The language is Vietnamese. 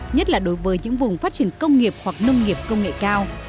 nhất là đối với những vùng phát triển công nghiệp hoặc nông nghiệp công nghệ cao